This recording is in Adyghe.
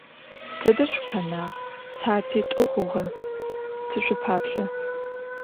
Тэдэ шъукъэнагъ? СыхьатитӀу хъугъэ тышъупаплъэ.